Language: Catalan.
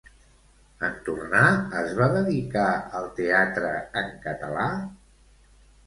En tornar, es va dedicar al teatre en català?